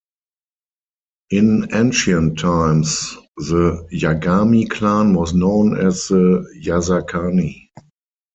In ancient times, the Yagami clan was known as the Yasakani.